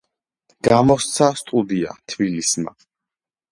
გამოსცა სტუდია „თბილისმა“.